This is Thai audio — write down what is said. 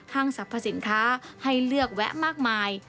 สรรพสินค้าให้เลือกแวะมากมาย